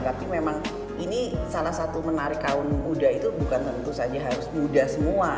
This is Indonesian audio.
tapi memang ini salah satu menarik kaum muda itu bukan tentu saja harus muda semua